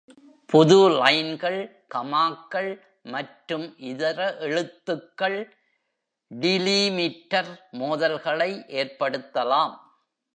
புது லைன்கள், கமாக்கள் மற்றும் இதர எழுத்துக்கள் டீலிமிட்டர் மோதல்களை ஏற்படுத்தலாம்.